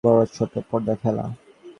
হুড় তোলা এবং পর্দা ফেলা।